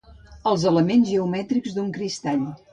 Els elements geomètrics d'un cristall.